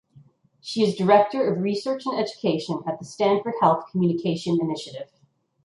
She is Director of Research and Education at the Stanford Health Communication Initiative.